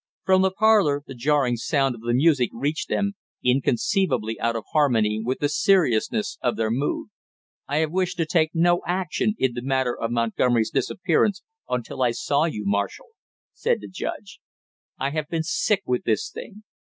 From the parlor the jarring sound of the music reached them, inconceivably out of harmony with the seriousness of their mood. "I have wished to take no action in the matter of Montgomery's disappearance until I saw you, Marshall," said the judge. "I have been sick with this thing!